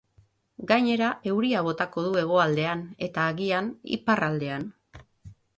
Gainera, euria botako du hegoaldean eta, agian, iparraldean.